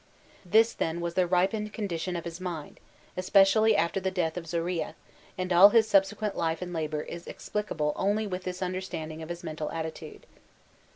This then was the ripened condition of his mind, espe cially after the death of Zorilla, and all his subsequent life and labor is explicable only with this understanding of his mental attitude.